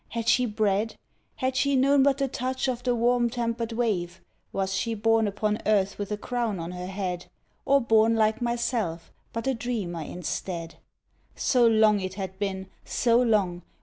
Had she bread? Had she known but the touch of the warm tempered wave? Was she born upon earth with a crown on her head; Or born like myself, but a dreamer, instead? So long it had been! So long!